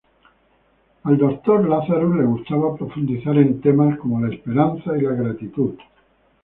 Al Dr. Lazarus le gustaba profundizar en temas como la esperanza y la gratitud.